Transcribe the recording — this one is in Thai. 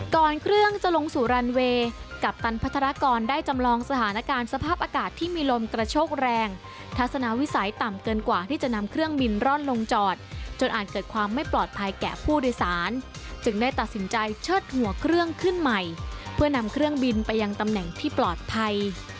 ก่อนเครื่องจะลงสู่รันเวย์กัปตันพัฒนากรได้จำลองสถานการณ์สภาพอากาศที่มีลมกระโชกแรงทัศนาวิสัยต่ำเกินกว่าที่จะนำเครื่องบินร่อนลงจอดจนอาจเกิดความไม่ปลอดภัยแก่ผู้โดยสารจึงได้ตัดสินใจเชิดหัวเครื่องขึ้นใหม่เพื่อนำเครื่องบินไปยังตำแหน่งที่ปลอดภัย